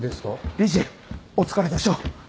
理事お疲れでしょう。